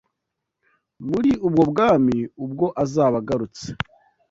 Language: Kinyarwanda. muri ubwo bwami ubwo azaba agarutse.